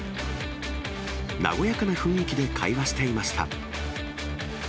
和やかな雰囲気で会話していました。